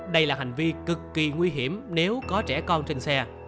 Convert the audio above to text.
đây là hành vi cực kỳ nguy hiểm nếu có trẻ con trên xe